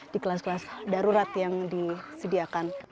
di kelas kelas darurat yang disediakan